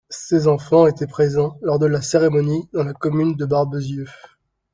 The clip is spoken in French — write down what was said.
Ses enfants étaient présents lors de la cérémonie dans la commune de Barbezieux.